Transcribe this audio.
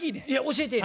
教えてや。